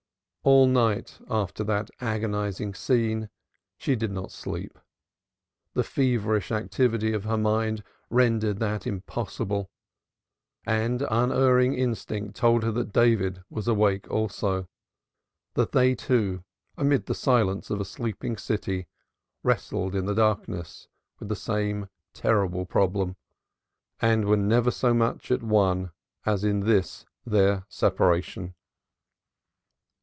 All night, after that agonizing scene, she did not sleep; the feverish activity of her mind rendered that impossible, and unerring instinct told her that David was awake also that they two, amid the silence of a sleeping city, wrestled in the darkness with the same terrible problem, and were never so much at one as in this their separation.